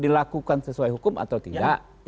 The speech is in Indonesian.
dilakukan sesuai hukum atau tidak